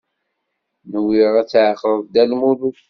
Nwiɣ ad tɛeqleḍ Dda Lmulud.